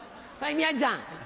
宮治さん。